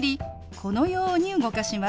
このように動かします。